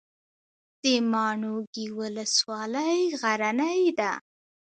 د ماڼوګي ولسوالۍ غرنۍ ده